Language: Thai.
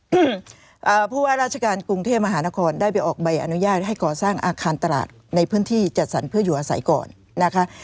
อืมอ่าผู้ว่าราชการกรุงเทพมหานครได้ไปออกใบอนุญาตให้ก่อสร้างอาคารตลาดในพื้นที่จัดสรรเพื่ออยู่อาศัยก่อนนะคะ